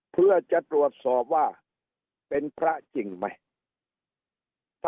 เพื่อจะตรวจสอบว่าเป็นพระจริงไหม